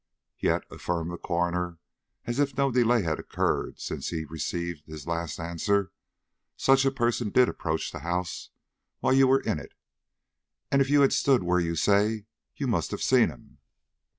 "Yet," affirmed the coroner, as if no delay had occurred since he received his last answer, "such a person did approach the house while you were in it, and if you had stood where you say, you must have seen him."